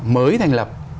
mới thành lập